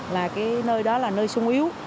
là cái nơi đó là nơi sung yếu